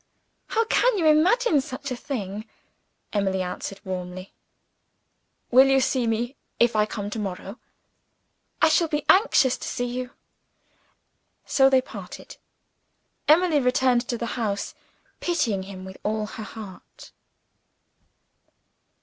"How can you imagine such a thing!" she answered warmly. "Will you see me, if I come to morrow?" "I shall be anxious to see you." So they parted. Emily returned to the house, pitying him with all her heart.